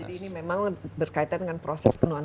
jadi ini memang berkaitan dengan proses penuaan